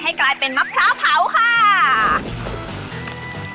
กลายเป็นมะพร้าวเผาค่ะ